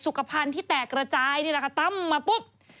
สุขภัณฑ์ที่แตกระจายต้มมาปุ้บ